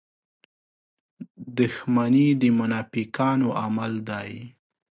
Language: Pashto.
• دښمني د منافقانو عمل دی.